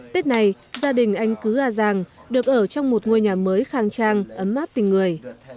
tết này gia đình anh cứ a giàng được ở trong một ngôi nhà mới khang trang ấm áp tình người